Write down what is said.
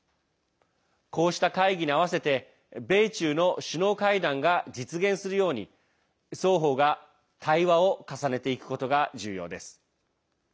こうした会議に合わせて米中の首脳会談が実現するように双方が、対話を重ねていくことが重要です。